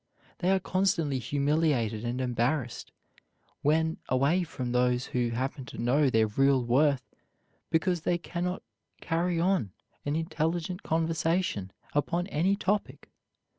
They are constantly humiliated and embarrassed when away from those who happen to know their real worth, because they can not carry on an intelligent conversation upon any topic.